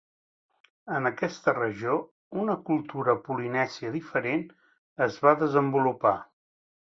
En aquesta regió, una cultura polinèsia diferent es va desenvolupar.